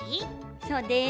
そうです！